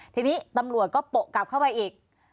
ทีนี้ตำรวจก็โปะกลับเข้าไปอีก